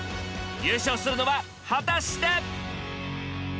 優勝するのは果たして。